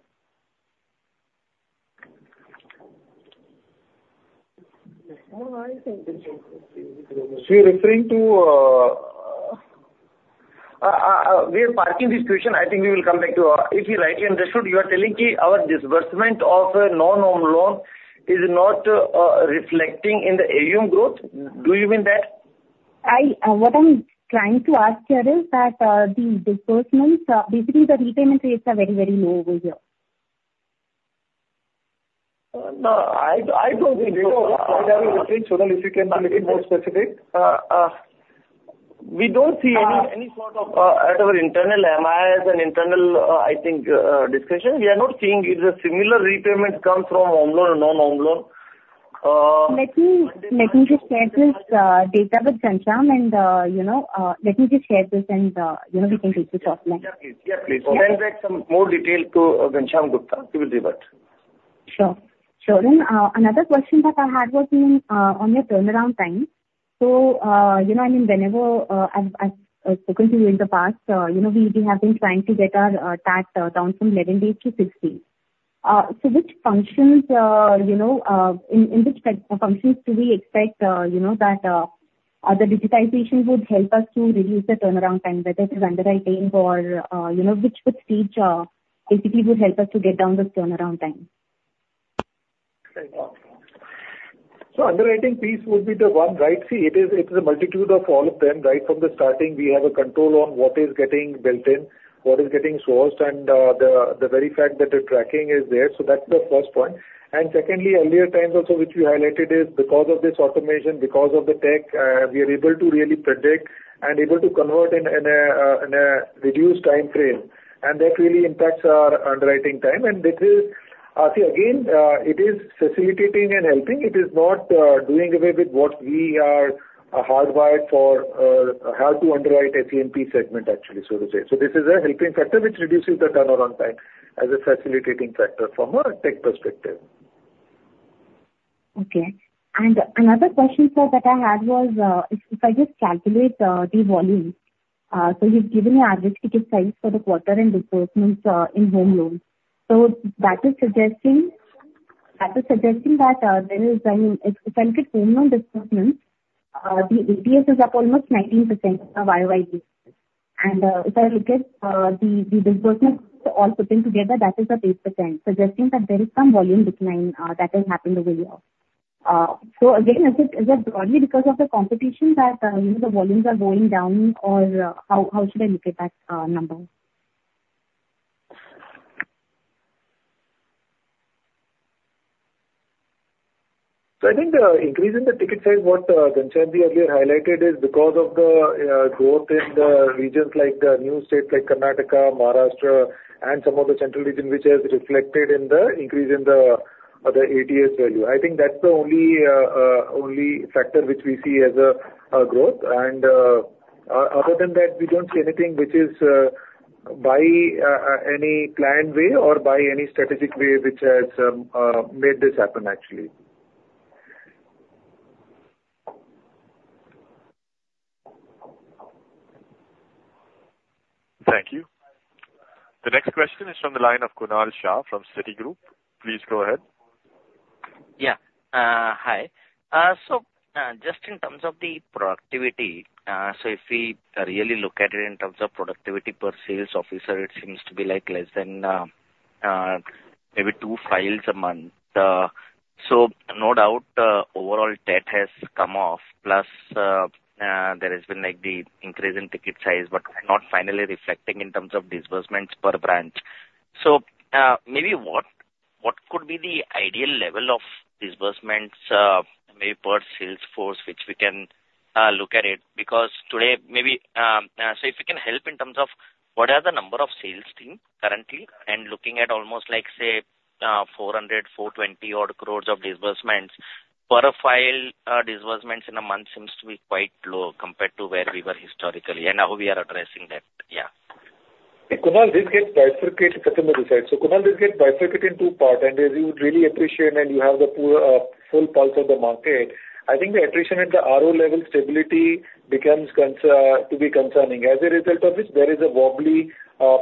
No, I think... So you're referring to, we are parking this question. I think we will come back to our-- If you rightly understood, you are telling, our disbursement of, non-home loan is not, reflecting in the AUM growth. Do you mean that? What I'm trying to ask here is that the disbursements, basically, the repayment rates are very, very low over here. No, I don't think so. If you can be a little more specific. We don't see any sort of at our internal MI as an internal, I think, discussion. We are not seeing it. The similar repayment comes from home loan and non-home loan. Let me, let me just share this data with Ghanshyam and, you know, let me just share this and, you know, we can take this offline. Yeah, please. Yeah, please. Okay. Send back some more detail to, Ghanshyam Rawat. He will revert. Sure. Sure, then, another question that I had was in, on your turnaround time. So, you know, I mean, whenever, I've spoken to you in the past, you know, we have been trying to get our TAT down from 11 days to 6 days. So which functions, you know, in which functions do we expect, you know, that the digitization would help us to reduce the turnaround time, whether it is underwriting or, you know, which stage basically would help us to get down this turnaround time? So underwriting piece would be the one, right? See, it is, it's a multitude of all of them. Right from the starting, we have a control on what is getting built in, what is getting sourced, and the very fact that the tracking is there. So that's the first point. And secondly, earlier times also, which you highlighted, is because of this automation, because of the tech, we are able to really predict and able to convert in a reduced timeframe. And that really impacts our underwriting time, and this is... See, again, it is facilitating and helping. It is not doing away with what we are hardwired for, how to underwrite a SENP segment, actually, so to say. This is a helping factor, which reduces the turnaround time as a facilitating factor from more a tech perspective. Okay. And another question, sir, that I had was, if, if I just calculate, the volume, so you've given your average ticket size for the quarter and disbursements, in home loans. So that is suggesting, that is suggesting that, there is, I mean, if I look at home loan disbursements, the ATS is up almost 19% YOY. And, if I look at, the, the disbursements all putting together, that is at 8%, suggesting that there is some volume decline, that has happened over here. So again, is it, is it broadly because of the competition that, you know, the volumes are going down, or, how, how should I look at that, number? So I think, increase in the ticket size, what, Ghanshyam earlier highlighted, is because of the, growth in the regions like the new states like Karnataka, Maharashtra and some of the central region, which has reflected in the increase in the, the ATS value. I think that's the only, only factor which we see as a, a growth. And, other than that, we don't see anything which is, by, any planned way or by any strategic way which has, made this happen, actually. Thank you. The next question is from the line of Kunal Shah from Citigroup. Please go ahead. Yeah. Hi. So, just in terms of the productivity, so if we really look at it in terms of productivity per sales officer, it seems to be like less than maybe two files a month. So no doubt, overall debt has come off, plus, there has been, like, the increase in ticket size, but are not finally reflecting in terms of disbursements per branch. So, maybe what could be the ideal level of disbursements, maybe per sales force, which we can look at it? Because today, maybe, so if you can help in terms of what are the number of sales team currently, and looking at almost like, say, 400-420 odd crores of disbursements per file, disbursements in a month seems to be quite low compared to where we were historically and how we are addressing that. Yeah. Kunal, this gets bifurcated, Sachinder this side. So, Kunal, this gets bifurcated in two parts, and as you would really appreciate and you have the full pulse of the market, I think the attrition at the RO level stability becomes concerning. As a result of which, there is a wobbly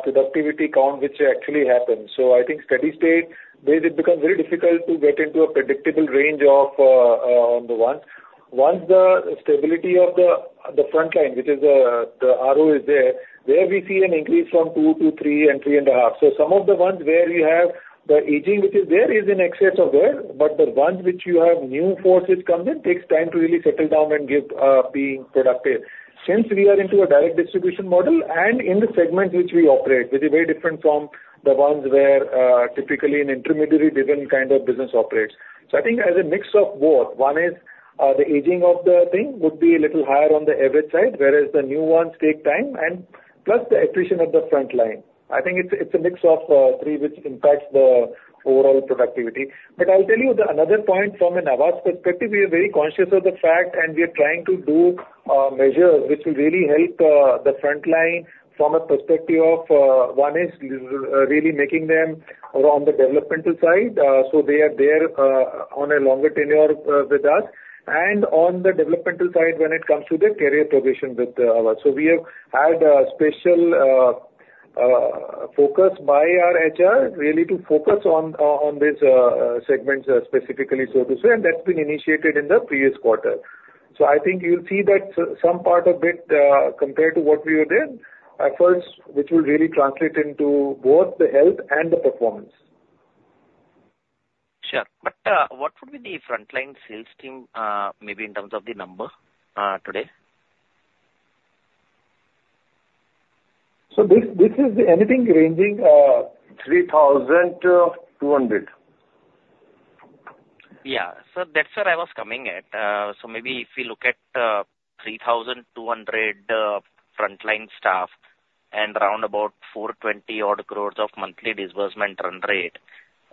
productivity count which actually happens. So I think steady state, where it becomes very difficult to get into a predictable range of, on the one.... once the stability of the, the front line, which is the, the RO is there, there we see an increase from 2 to 3 and 3.5. So some of the ones where you have the aging, which is there, is in excess of there, but the ones which you have new forces come in, takes time to really settle down and give, being productive. Since we are into a direct distribution model and in the segment which we operate, which is very different from the ones where, typically an intermediary driven kind of business operates. So I think as a mix of both, one is, the aging of the thing would be a little higher on the average side, whereas the new ones take time and plus the attrition of the front line. I think it's, it's a mix of, three, which impacts the overall productivity. But I'll tell you another point from an Aavas perspective, we are very conscious of the fact, and we are trying to do measures which will really help the front line from a perspective of one is really making them around the developmental side. So they are there on a longer tenure with us. And on the developmental side, when it comes to the career progression with us. So we have had a special focus by our HR really to focus on this segments specifically, so to say, and that's been initiated in the previous quarter. So I think you'll see that some part of it compared to what we were there at first, which will really translate into both the health and the performance. Sure. But, what would be the frontline sales team, maybe in terms of the number, today? This, this is the anything ranging 3,200. Yeah. So that's where I was coming at. So maybe if we look at 3,200 frontline staff and round about 420-odd crores of monthly disbursement run rate.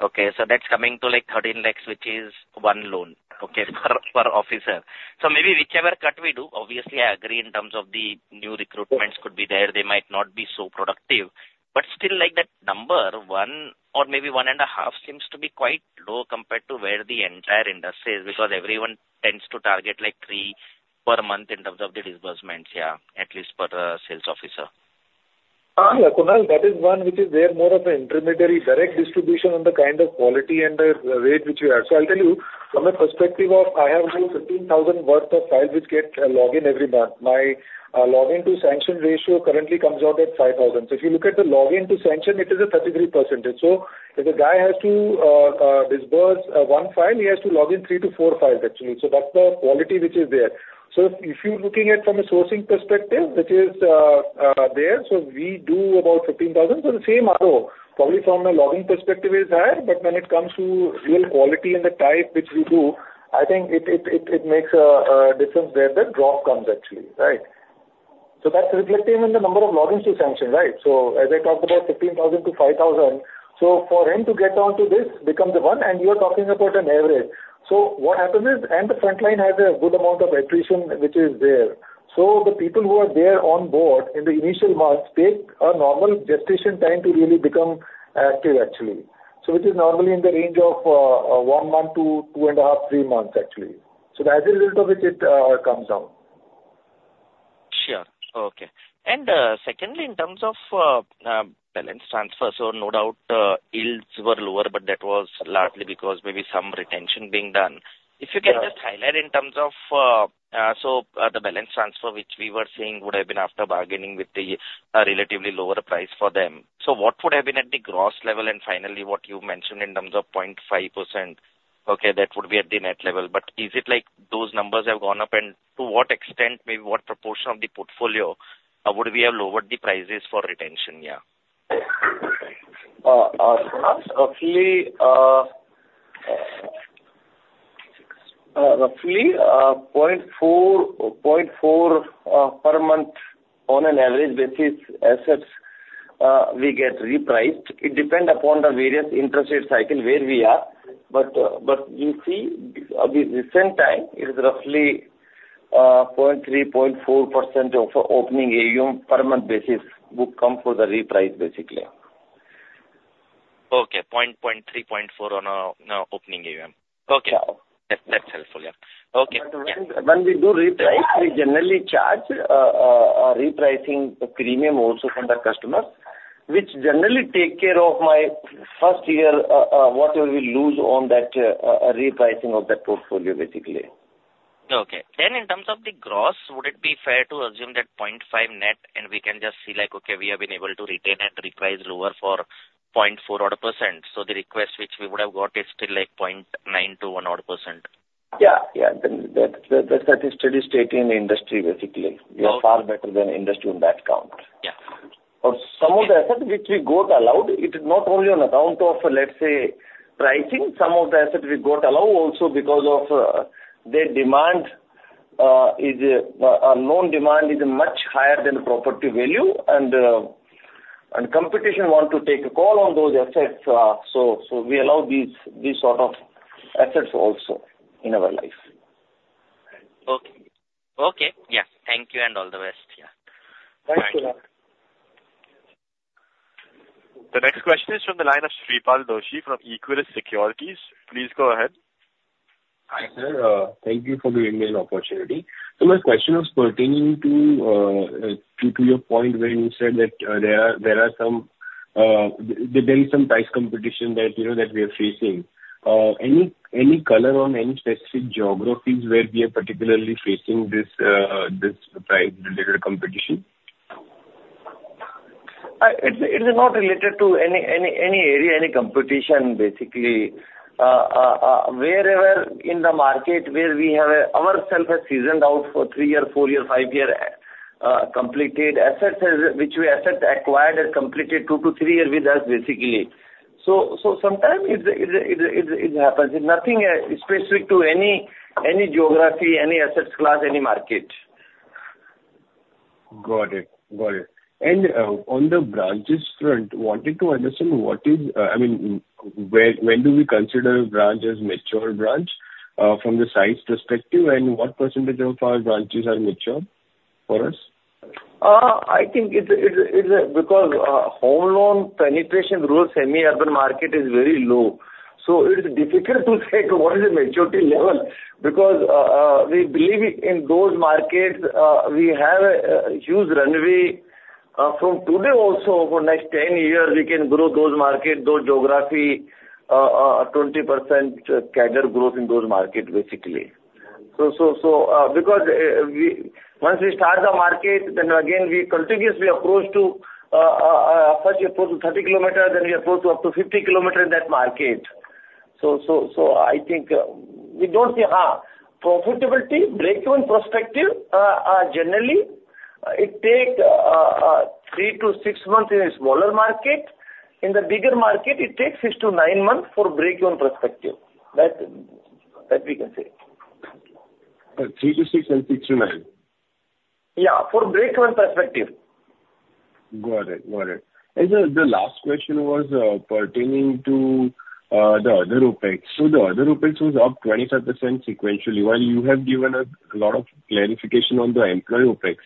Okay, so that's coming to, like, 13 lakhs, which is 1 loan, okay, per, per officer. So maybe whichever cut we do, obviously, I agree in terms of the new recruitments could be there, they might not be so productive. But still, like, that number, 1 or maybe 1.5, seems to be quite low compared to where the entire industry is, because everyone tends to target, like, 3 per month in terms of the disbursements. Yeah, at least per sales officer. Yeah, Kunal, that is one which is there more of an intermediary direct distribution on the kind of quality and the rate which we have. So I'll tell you, from a perspective of I have only 15,000 worth of files which get login every month. My login to sanction ratio currently comes out at 5,000. So if you look at the login to sanction, it is a 33%. So if a guy has to disburse one file, he has to log in 3-4 files, actually. So that's the quality which is there. So if you're looking at from a sourcing perspective, which is there, so we do about 15,000. So the same RO, probably from a login perspective, is higher, but when it comes to real quality and the type which we do, I think it makes a difference where the drop comes actually, right? So that's reflecting in the number of logins to sanction, right? So as I talked about, 15,000-5,000. So for him to get on to this, become the one, and you are talking about an average. So what happens is, the frontline has a good amount of attrition, which is there. So the people who are there on board in the initial months take a normal gestation time to really become active, actually. So which is normally in the range of one month to two and a half, three months, actually. So as a result of which it comes down. Sure. Okay. And, secondly, in terms of balance transfer, so no doubt yields were lower, but that was largely because maybe some retention being done. Yeah. If you can just highlight in terms of, so, the balance transfer, which we were seeing would have been after bargaining with the, relatively lower price for them. So what would have been at the gross level, and finally, what you mentioned in terms of 0.5%, okay, that would be at the net level. But is it like those numbers have gone up, and to what extent, maybe what proportion of the portfolio, would we have lowered the prices for retention, yeah? Roughly, roughly, point four, point four per month on an average basis, assets, we get repriced. It depends upon the various interest rate cycle where we are. You see, of the recent time, it is roughly point three, point four percent of opening AUM per month basis would come for the reprice, basically. Okay. 0.3, 0.4 on opening AUM. Okay. Yeah. That, that's helpful, yeah. Okay. But when we do reprice, we generally charge a repricing premium also from the customers, which generally take care of my first year, whatever we lose on that repricing of that portfolio, basically. Okay. Then in terms of the gross, would it be fair to assume that 0.5 net, and we can just see, like, okay, we have been able to retain and reprice lower for 0.4 odd percent. So the request which we would have got is still, like, 0.9-1 odd percent. Yeah, yeah. Then that is steady state in the industry, basically. Okay. We are far better than industry in that count. Yeah. Some of the assets which we got allowed, it is not only on account of, let's say, pricing, some of the assets we got allow also because their demand is a known demand, is much higher than the property value, and competition want to take a call on those assets. We allow these sort of assets also in our life. Okay. Okay, yeah. Thank you and all the best. Yeah. Thanks, Kunal. The next question is from the line of Shreepal Doshi from Equirus Securities. Please go ahead. Hi, sir. Thank you for giving me an opportunity. So my question was pertaining to your point where you said that there is some price competition that, you know, that we are facing. Any color on any specific geographies where we are particularly facing this price-related competition? It is not related to any area, any competition, basically. Wherever in the market where we have ourselves are seasoned out for 3 year, 4 year, 5 year, completed assets, as which we asset acquired and completed 2 to 3 year with us, basically. So, sometimes it happens. It's nothing specific to any geography, any asset class, any market. Got it. Got it. And, on the branches front, wanted to understand, I mean, where, when do we consider a branch as mature branch, from the size perspective, and what percentage of our branches are mature for us? I think it's because home loan penetration rural, semi-urban market is very low, so it is difficult to say what is the maturity level. Because we believe in those markets we have a huge runway. From today also, for next 10 years, we can grow those market, those geography, 20% CAGR growth in those market, basically. So because we once we start the market, then again, we continuously approach to first we approach to 30 kilometer, then we approach to up to 50 kilometer in that market. So I think we don't say profitability, break-even perspective are generally, it take 3-6 months in a smaller market. In the bigger market, it takes 6-9 months for break-even perspective. That, that we can say. 3-6 and 6-9? Yeah, for break-even perspective. Got it. Got it. And the last question was pertaining to the other OpEx. So the other OpEx was up 25% sequentially. While you have given a lot of clarification on the employee OpEx,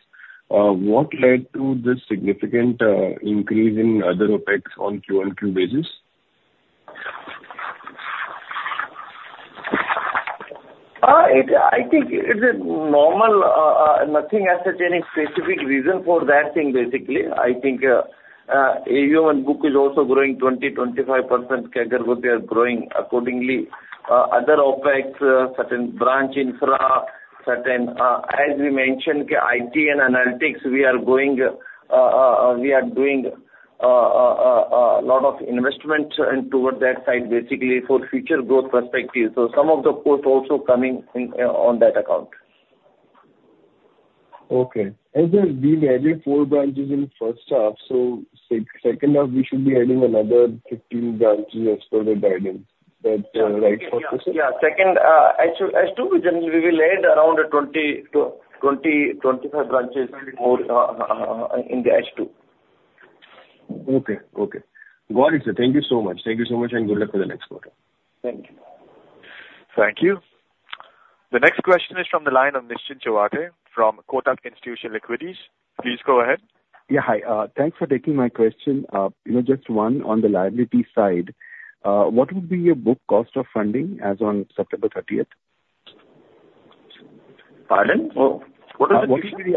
what led to this significant increase in other OpEx on Q on Q basis? It, I think it's a normal, nothing as such, any specific reason for that thing, basically. I think, AUM book is also growing 20%-25% CAGR, but they are growing accordingly. Other OpEx, certain branch infra, certain, as we mentioned, IT and analytics, we are going, we are doing, a lot of investment and toward that side, basically for future growth perspective. So some of the cost also coming in, on that account. Okay. As we added 4 branches in first half, so second half, we should be adding another 15 branches as per the guidance. Is that right for this year? Yeah, second, H2, generally, we will add around 20 to 25 branches more in the H2. Okay, okay. Got it, sir. Thank you so much. Thank you so much, and good luck for the next quarter. Thank you. Thank you. The next question is from the line of Nischint Chawathe from Kotak Institutional Equities. Please go ahead. Yeah, hi. Thanks for taking my question. You know, just one on the liability side. What would be your book cost of funding as on September thirtieth? Pardon? What is the question?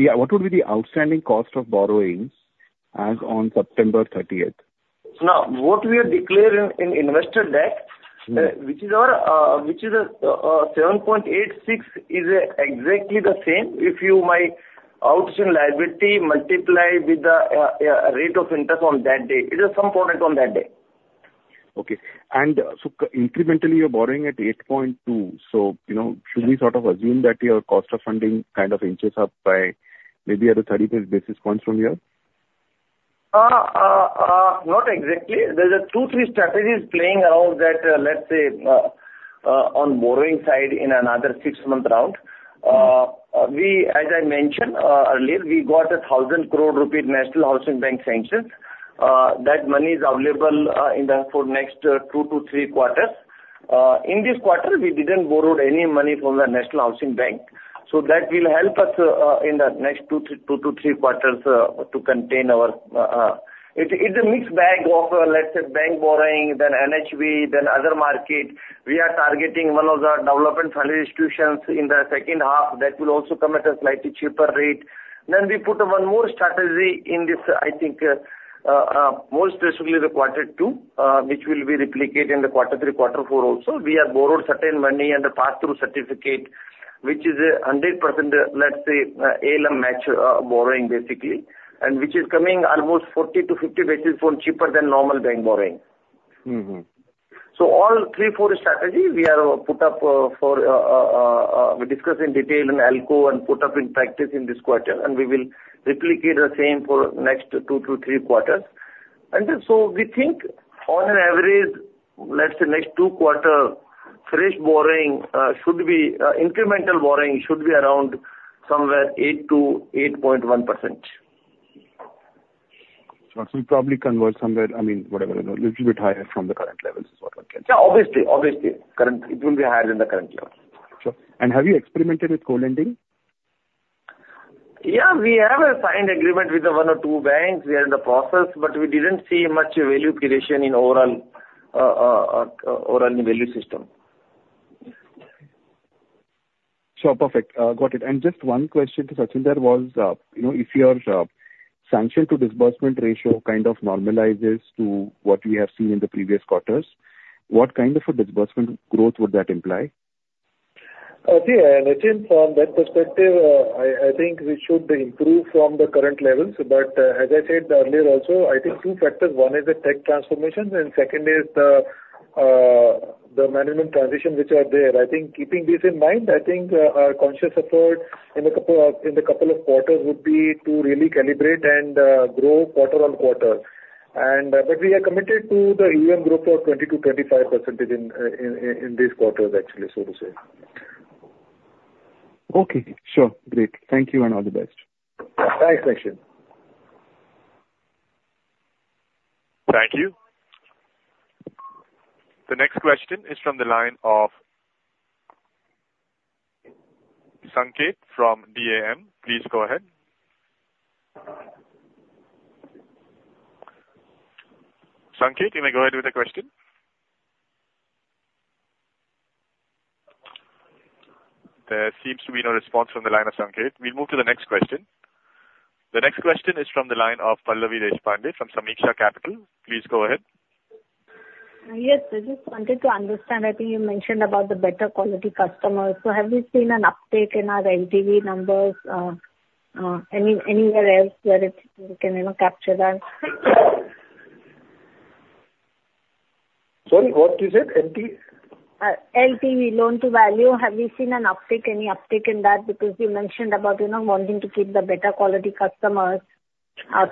Yeah, what would be the outstanding cost of borrowings as on September 30th? Now, what we have declared in investor deck, which is our 7.86, is exactly the same. If you multiply outstanding liability with the rate of interest on that day. It is the same point on that day. Okay. And so incrementally, you're borrowing at 8.2. So, you know, should we sort of assume that your cost of funding kind of inches up by maybe other 30 basis points from here? Not exactly. There are two, three strategies playing around that, let's say, on borrowing side in another six-month round. As I mentioned earlier, we got 1,000 crore rupee National Housing Bank sanctions. That money is available for next two to three quarters. In this quarter, we didn't borrow any money from the National Housing Bank, so that will help us in the next two, three, two to three quarters to contain our... It's a mixed bag of, let's say, bank borrowing, then NHB, then other market. We are targeting one of the development finance institutions in the second half. That will also come at a slightly cheaper rate. Then we put one more strategy in this, I think, more specifically the quarter two, which will be replicate in the quarter three, quarter four also. We have borrowed certain money and the pass-through certificate, which is 100%, let's say, ALM match, borrowing, basically, and which is coming almost 40-50 basis points cheaper than normal bank borrowing. Mm-hmm. So all 3-4 strategy we have put up, we discuss in detail in ALCO and put up in practice in this quarter, and we will replicate the same for next 2 to 3 quarters. And so we think on an average, let's say, next 2 quarter, fresh borrowing should be incremental borrowing should be around somewhere 8%-8.1%. It will probably convert somewhere, I mean, whatever, you know, little bit higher from the current levels is what one can say. Yeah, obviously, obviously. Currently, it will be higher than the current level. Sure. Have you experimented with co-lending? Yeah, we have a signed agreement with one or two banks. We are in the process, but we didn't see much value creation in overall, overall value system. Sure, perfect. Got it. And just one question to Sachinder, there was, you know, if your sanction to disbursement ratio kind of normalizes to what we have seen in the previous quarters, what kind of a disbursement growth would that imply? See, Nischint, from that perspective, I think we should improve from the current levels. But, as I said earlier also, I think two factors: one is the tech transformation, and second is the management transitions which are there. I think keeping this in mind, I think our conscious effort in a couple, in the couple of quarters would be to really calibrate and grow quarter on quarter. And, but we are committed to the year growth of 20%-25% in these quarters, actually, so to say. Okay, sure. Great. Thank you, and all the best. Thanks, Nischint. Thank you. The next question is from the line of Sanket from DAM. Please go ahead. Sanket, you may go ahead with the question. There seems to be no response from the line of Sanket. We'll move to the next question. The next question is from the line of Pallavi Deshpande from Samiksha Capital. Please go ahead. Yes, I just wanted to understand. I think you mentioned about the better quality customers. So have you seen an uptick in our LTV numbers, anywhere else where it, you can, you know, capture that? Sorry, what you said, LP? LTV, loan to value. Have you seen an uptick, any uptick in that? Because you mentioned about, you know, wanting to keep the better quality customers,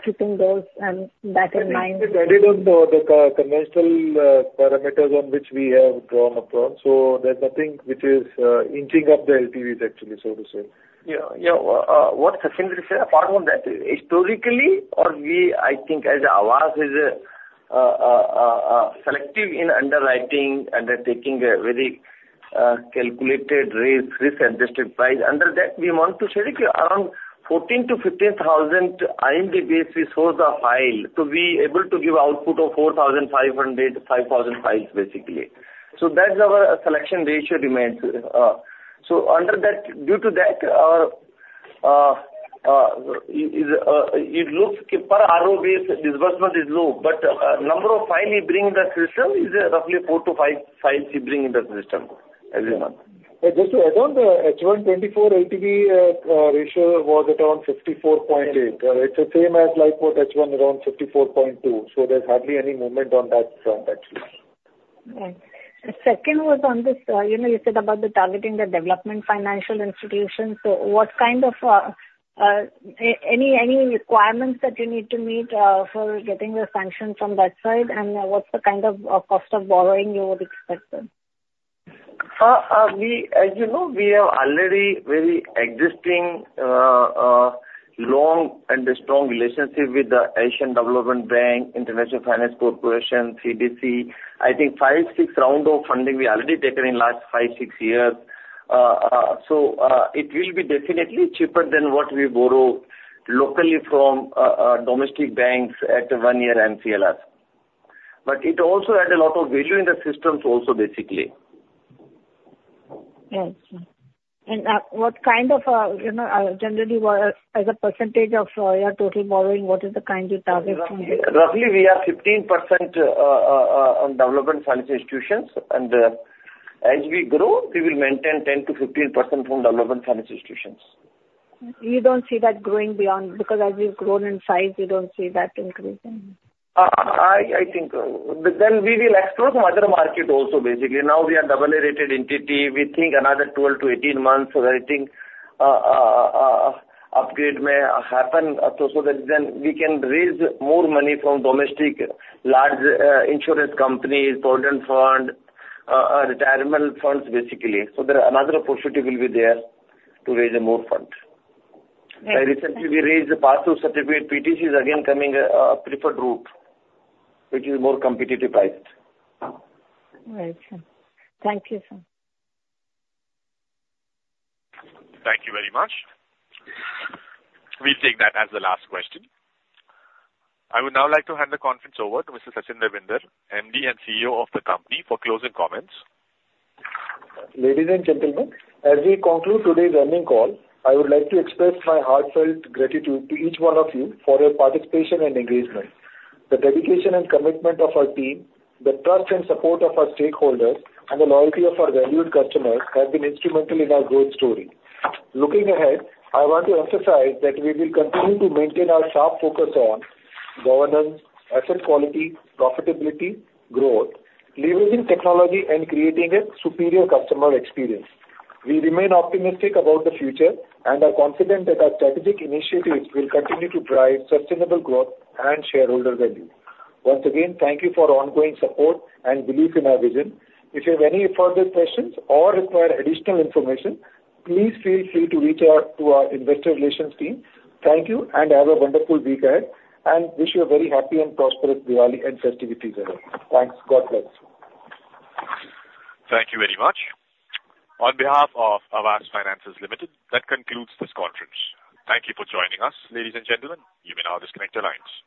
keeping those, that in mind. It added on to the conventional parameters on which we have drawn upon, so there's nothing which is inching up the LTVs actually, so to say. Yeah, yeah. What Sachinder said, apart from that, historically or we, I think as Aavas is selective in underwriting and taking a very calculated risk, risk-adjusted price. Under that, we want to say around 14,000-15,000 IMDs we source a file to be able to give output of 4,500-5,000 files, basically. So that's our selection ratio remains. So under that, due to that, our is it looks per RO base, disbursement is low, but number of file we bring in the system is roughly 4-5 files we bring in the system as a month. Just to add on, the H1 2024 LTV ratio was around 54.8. It's the same as like for H1, around 54.2, so there's hardly any movement on that front, actually. Right. The second was on this, you know, you said about targeting the development financial institutions. So, what kind of any requirements that you need to meet for getting the sanction from that side? And what's the kind of cost of borrowing you would expect then? As you know, we have already very existing long and strong relationship with the Asian Development Bank, International Finance Corporation, CDC. I think 5, 6 rounds of funding we already taken in last 5, 6 years. So, it will be definitely cheaper than what we borrow locally from domestic banks at one year MCLR. But it also add a lot of value in the systems also, basically. Yes. And what kind of, you know, generally, what, as a percentage of your total borrowing, what is the kind you're targeting? Roughly, we are 15% on development finance institutions. And, as we grow, we will maintain 10%-15% from development finance institutions. You don't see that growing beyond... Because as you've grown in size, you don't see that increasing? I think then we will explore some other market also, basically. Now, we are double A-rated entity. We think another 12-18 months, so I think upgrade may happen. So, so that then we can raise more money from domestic large insurance companies, pension fund, retirement funds, basically. So there another opportunity will be there to raise more funds. Right. Recently, we raised the pass-through certificate. PTC is again coming, a preferred route, which is more competitively priced. Right. Thank you, sir. Thank you very much. We'll take that as the last question. I would now like to hand the conference over to Mr. Sachinder Bhinder, MD and CEO of the company, for closing comments. Ladies and gentlemen, as we conclude today's earnings call, I would like to express my heartfelt gratitude to each one of you for your participation and engagement. The dedication and commitment of our team, the trust and support of our stakeholders, and the loyalty of our valued customers have been instrumental in our growth story. Looking ahead, I want to emphasize that we will continue to maintain our sharp focus on governance, asset quality, profitability, growth, leveraging technology, and creating a superior customer experience. We remain optimistic about the future and are confident that our strategic initiatives will continue to drive sustainable growth and shareholder value. Once again, thank you for your ongoing support and belief in our vision. If you have any further questions or require additional information, please feel free to reach out to our investor relations team. Thank you, and have a wonderful week ahead, and wish you a very happy and prosperous Diwali and festivities ahead. Thanks. God bless. Thank you very much. On behalf of Aavas Financiers Limited, that concludes this conference. Thank you for joining us, ladies and gentlemen. You may now disconnect your lines.